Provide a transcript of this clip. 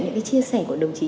những cái chia sẻ của đồng chí